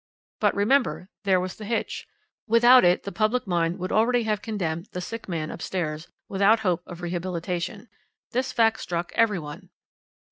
"But, remember, there was the hitch; without it the public mind would already have condemned the sick man upstairs, without hope of rehabilitation. This fact struck every one.